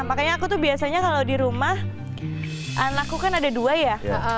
makanya aku tuh biasanya kalau di rumah anakku kan ada dua ya